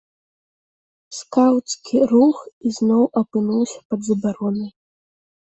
Скаўцкі рух ізноў апынуўся пад забаронай.